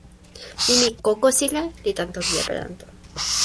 nimi "kokosila" li tan toki Epelanto.